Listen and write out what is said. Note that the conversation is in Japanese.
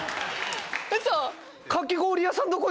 ウソ⁉